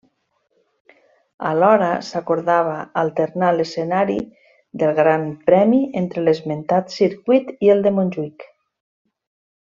Alhora, s'acordava alternar l'escenari del gran premi entre l'esmentat circuit i el de Montjuïc.